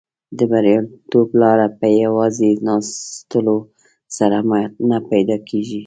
د بریالیتوب لاره په یو ځای ناستلو سره نه پیدا کیږي.